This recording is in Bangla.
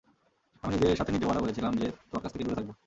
আমি নিজের সাথে নিজে ওয়াদা করেছিলাম যে তোমার কাছ থেকে দূরে থাকব।